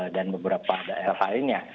dan beberapa daerah lainnya